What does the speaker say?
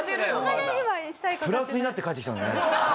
プラスになって返ってきたんだよね。